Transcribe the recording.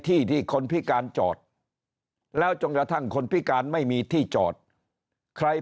ที่ที่คนพิการจอดแล้วจนกระทั่งคนพิการไม่มีที่จอดใคร